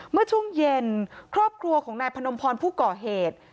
เมื่อช่วงเย็นครอบครัวของนายพนมพรผู้ก่อเหตุ